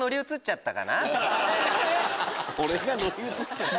「俺が乗り移っちゃった」？